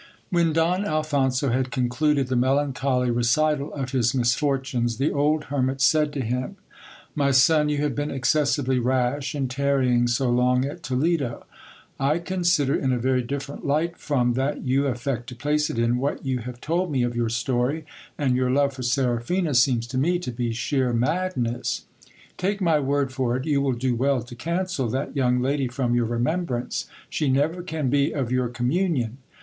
When Don Alphonso had concluded the melancholy recital of his misfortunes, the old hermit said to him — My son, you have been excessively rash in tarrying so long at Toledo. I consider in a very different light from that you affect to place it in, what you have told me of your story ; and your love for Seraphina seems to me to be .sheer madness. Take my word for it, you will do well to cancel that young lady from your remembrance ; she never can be of your com munion.